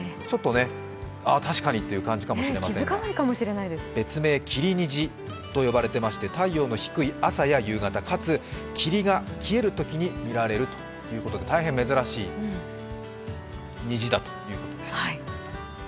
ああ、たしかにっていう感じかもしれませんが、別名、霧虹と呼ばれていまして太陽の低い朝や夕方、かつ霧が消えるときに見られるということで大変珍しい虹だということです。